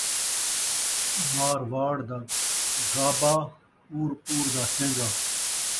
مارواڑ دا گابا ، poor poor دا سین٘گا